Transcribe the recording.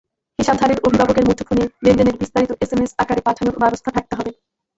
হিসাবধারীর অভিভাবকের মুঠোফোনে লেনদেনের বিস্তারিত এসএমএস আকারে পাঠানোর ব্যবস্থা থাকতে হবে।